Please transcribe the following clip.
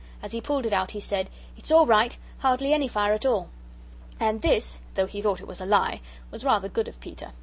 As he pulled it out he said: "It's all right, hardly any fire at all." And this, though he thought it was a lie, was rather good of Peter.